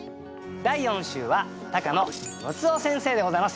第４週は高野ムツオ先生でございます。